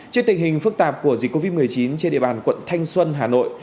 trước tình hình phức tạp của dịch covid một mươi chín trên địa bàn quận thanh xuân hà nội